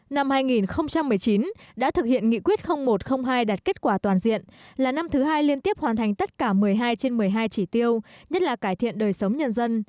năm hai nghìn một mươi chín đã thực hiện nghị quyết một trăm linh hai đạt kết quả toàn diện là năm thứ hai liên tiếp hoàn thành tất cả một mươi hai trên một mươi hai chỉ tiêu nhất là cải thiện đời sống nhân dân